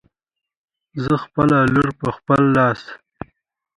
زه خپله لور په خپل لاس